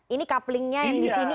ini couplingnya yang di sini